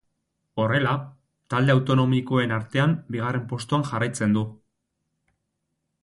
Horrela, talde autonomikoen artean bigarren postuan jarraitzen du.